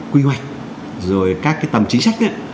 quy hoạch rồi các cái tầm chính sách